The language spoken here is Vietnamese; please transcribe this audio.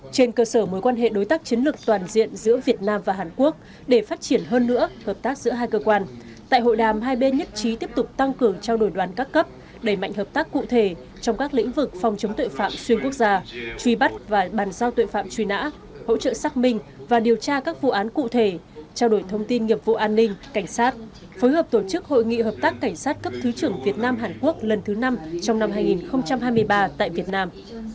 trên cơ sở mối quan hệ đối tác chiến lược toàn diện giữa việt nam và hàn quốc để phát triển hơn nữa hợp tác giữa hai cơ quan tại hội đàm hai bên nhất trí tiếp tục tăng cường trao đổi đoàn các cấp đẩy mạnh hợp tác cụ thể trong các lĩnh vực phòng chống tội phạm xuyên quốc gia truy bắt và bàn giao tội phạm truy nã hỗ trợ xác minh và điều tra các vụ án cụ thể trao đổi thông tin nghiệp vụ an ninh cảnh sát phối hợp tổ chức hội nghị hợp tác cảnh sát cấp thứ trưởng việt nam hàn quốc lần thứ năm trong năm hai nghìn hai mươi ba tại việt nam